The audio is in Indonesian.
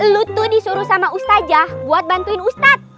lu tuh disuruh sama ustazah buat bantuin ustadz